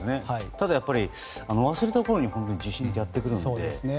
ただ、忘れたころにやっぱり地震ってやってくるので。